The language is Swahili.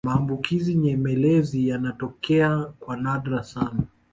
maambukizi nyemelezi yanatokea kwa nadra sana